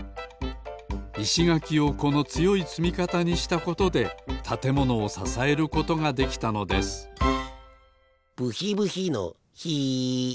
いしがきをこのつよいつみかたにしたことでたてものをささえることができたのですブヒブヒのヒ。